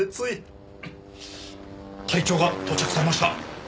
隊長が到着されました。